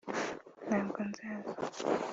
ntabwo nzaza